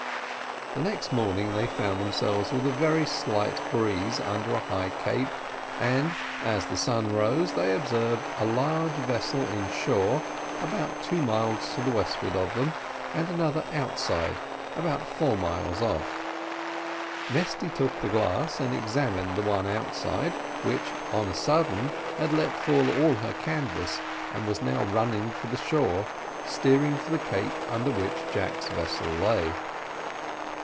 The next morning they found themselves, with a very light breeze, under a high cape, and, as the sun rose, they observed a large vessel inshore, about two miles to the westward of them, and another outside, about four miles off. Mesty took the glass and examined the one outside, which, on a sudden, had let fall all her canvas, and was now running for the shore, steering for the cape under which Jack's vessel lay.